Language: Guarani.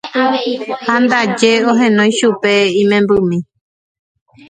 ha ndaje ohenói chupe imembymi.